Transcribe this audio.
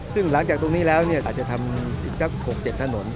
ซึ่งหลังจากตรงนี้แล้วอาจจะทำอีกสัก๖๗ถนน